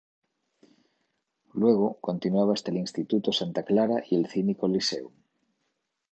Luego, continuaba hasta el Instituto Santa Clara y el Cine Coliseum.